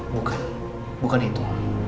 bukan bukan itu